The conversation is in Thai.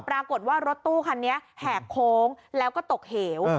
ปรากฏว่ารถตู้คันนี้แหกโค้งแล้วก็ตกเหว